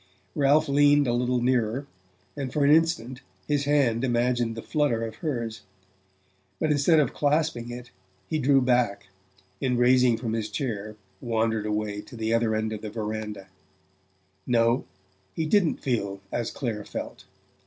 Ralph leaned a little nearer, and for an instant his hand imagined the flutter of hers. But instead of clasping it he drew back, and rising from his chair wandered away to the other end of the verandah...No, he didn't feel as Clare felt.